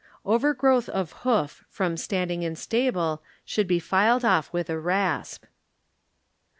Overgrowth of Hoof from standing in stable should be filed oft with rasp.